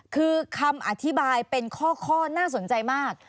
คือคำอธิบายเป็นข้อน่าสนใจมาก